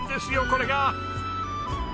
これが。